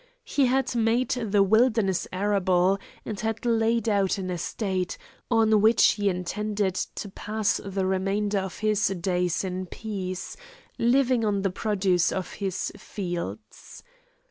He had made the wilderness arable, and had laid out an estate, on which he intended to pass the remainder of his days in peace, living on the produce of his fields.